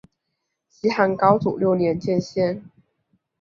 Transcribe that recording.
西汉高祖六年建县。